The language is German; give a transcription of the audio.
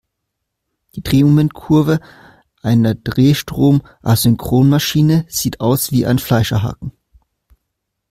Die Drehmomentkurve einer Drehstrom-Asynchronmaschine sieht aus wie ein Fleischerhaken.